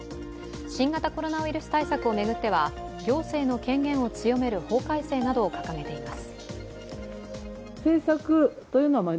新型コロナウイルス対策を巡っては行政の権限を強める法改正などを掲げています。